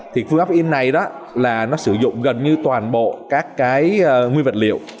thì phương pháp in này đó là nó sử dụng gần như toàn bộ các cái nguyên vật liệu